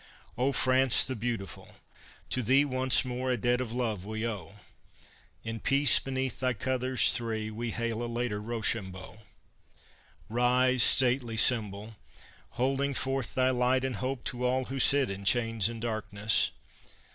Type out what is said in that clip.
O France, the beautiful! to thee Once more a debt of love we owe: In peace beneath thy Colors Three, We hail a later Rochambeau! Rise, stately Symbol! holding forth Thy light and hope to all who sit In chains and darkness!